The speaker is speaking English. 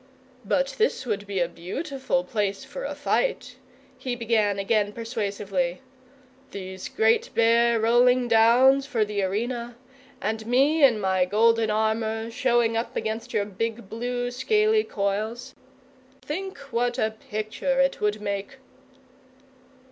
"But this would be a beautiful place for a fight," he began again persuasively. "These great bare rolling Downs for the arena, and me in my golden armour showing up against your big blue scaly coils! Think what a picture it would make!"